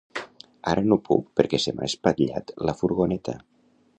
Ara no puc perquè se m'ha espatllat la furgoneta.